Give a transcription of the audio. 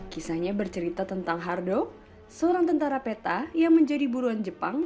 kisahnya bercerita tentang hardo seorang tentara peta yang menjadi buruan jepang